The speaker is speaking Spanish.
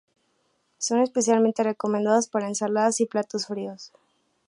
Son especialmente recomendados para ensaladas y platos fríos.